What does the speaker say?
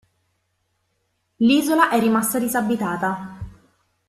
L'isola è rimasta disabitata.